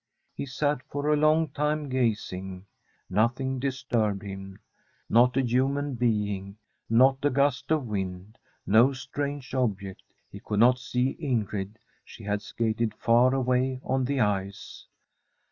He sat for a long tiuif tS[asing. Nothing disturbed him, not a human being, not a gust of wind, no strange ob ect» lie could not see Ingrid; she had skated mt away on the ice.